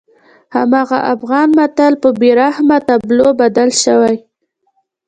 هماغه افغان متل په بېرحمه تابلو بدل شوی.